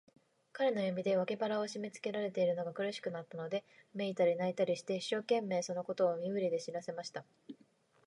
彼の指で、脇腹をしめつけられているのが苦しくなったので、うめいたり、泣いたりして、一生懸命、そのことを身振りで知らせました。